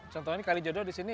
contohnya ini kalijodo disini